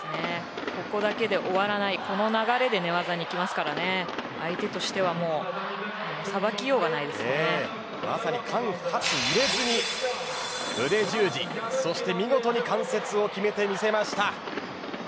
ここだけで終わらないこの流れで寝技にいきますから相手としてはまさに間髪入れずに腕十字そして見事に関節を決めてみせました。